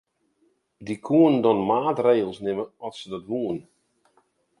Dy koenen dan maatregels nimme at se dat woenen.